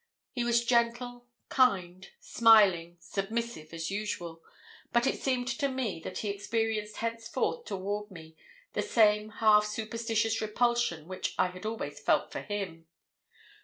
He was gentle, kind, smiling, submissive, as usual; but it seemed to me that he experienced henceforth toward me the same half superstitous repulsion which I had always felt from him.